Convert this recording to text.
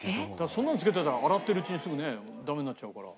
そんなのつけてたら洗ってるうちにすぐねダメになっちゃうから。